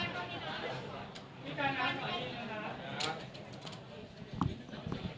ขอบคุณครับ